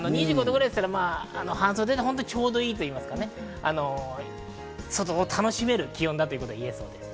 ２５度ですから、半袖でちょうどいいといいますか、外を楽しめる気温だと言えそうです。